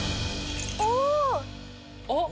お！